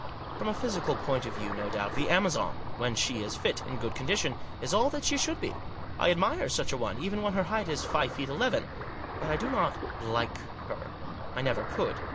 From a physical point of view, no doubt, the Amazon, when she is fit, in good con dition, is all that she should be. I admire such a one, even when her height is five feet eleven. But I do not like her; I never could.